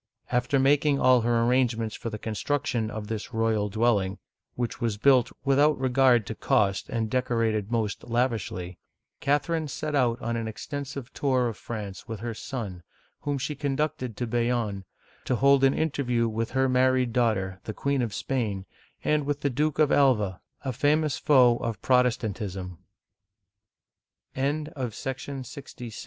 After making all her arrangements for the construction of this royal dwelling, — which was built without regard to cost, and decorated most lavishly, — Catherine set out on an extensive tour of France with her son, whom she conducted to Bayonne (ba yon'), to hold an interview with her married daughter, the Queen of Spain, and with the Duk